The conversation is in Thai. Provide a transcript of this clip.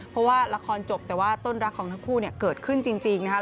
เพราะว่าละครจบแต่ว่าต้นรักของทั้งคู่เนี่ยเกิดขึ้นจริงนะครับ